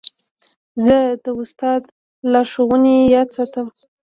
زه د استاد لارښوونې یاد ساتم.